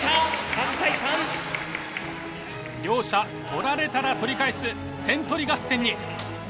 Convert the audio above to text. ３対３。両者取られたら取り返す点取り合戦に。